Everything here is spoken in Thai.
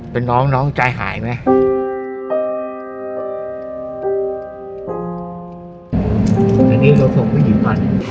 เป็นน้องใจหายไหม